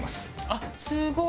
あっすごい！